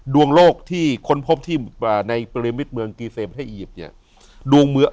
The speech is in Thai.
ดวงโลกที่ค้นพบในปริมิตเมืองกรีเซมประเทศอียิปต์